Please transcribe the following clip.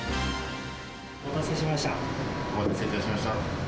お待たせしました。